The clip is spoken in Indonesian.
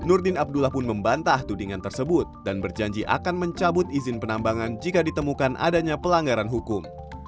nurdin abdullah pun membantah tudingan tersebut dan berjanji akan mencabut izin penambangan jika ditemukan adanya pelanggaran hukum